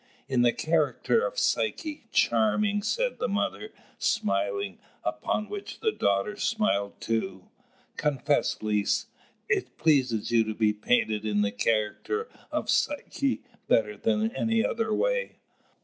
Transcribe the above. "In the character of Psyche? Charming!" said the mother, smiling, upon which the daughter smiled too. "Confess, Lise, it pleases you to be painted in the character of Psyche better than any other way?